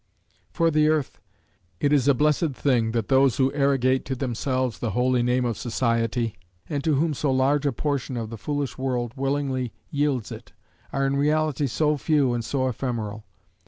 For the earth, it is a blessed thing that those who arrogate to themselves the holy name of society, and to whom so large a portion of the foolish world willingly yields it, are in reality so few and so ephemeral.